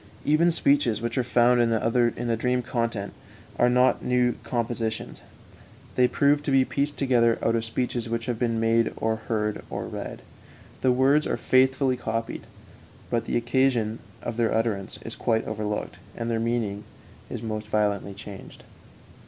Even speeches which are found in the dream content are not new compositions; they prove to be pieced together out of speeches which have been made or heard or read; the words are faithfully copied, but the occasion of their utterance is quite overlooked, and their meaning is most violently changed.